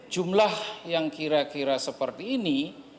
jumlah yang kira kira seperti ini